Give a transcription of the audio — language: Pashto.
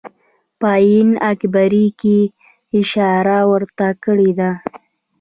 په آیین اکبري کې اشاره ورته کړې ده.